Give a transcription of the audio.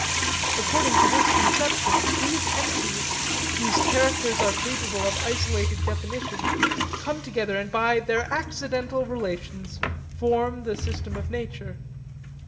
According to this conception these entities, whose characters are capable of isolated definition, come together and by their accidental relations form the system of nature.